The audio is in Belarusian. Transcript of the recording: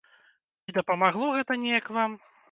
Ці дапамагло гэта неяк вам?